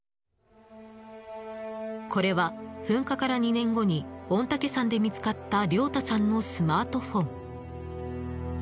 これは、噴火から２年後に御嶽山で見つかった亮太さんのスマートフォン。